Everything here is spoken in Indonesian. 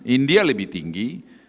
india lebih tinggi